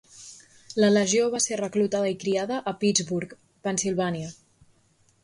La legió va ser reclutada i criada a Pittsburgh, Pennsilvània.